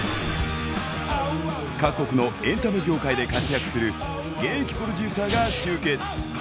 各国のエンタメ業界で活躍する、現役プロデューサーが集結。